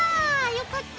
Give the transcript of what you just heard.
よかった。